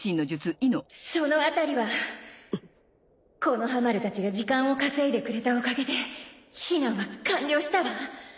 その辺りは木ノ葉丸たちが時間を稼いでくれたおかげで避難は完了したわ。